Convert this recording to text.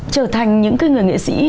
trở thành những cái người nghệ sĩ